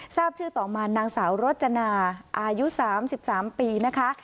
ทราบชื่อต่อมานางสาวรจนาอายุ๓๓ปีนะคะ